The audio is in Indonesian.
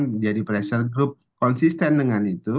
menjadi pressure group konsisten dengan itu